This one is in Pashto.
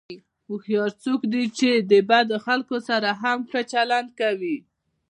هوښیار څوک دی چې د بدو خلکو سره هم ښه چلند کوي.